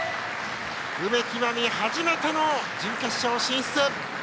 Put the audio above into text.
梅木真美、初めての準決勝進出！